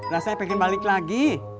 rasanya pengen balik lagi